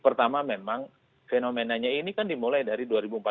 pertama memang fenomenanya ini kan dimulai dari dua ribu empat belas